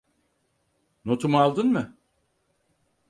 Notumu aldın mı?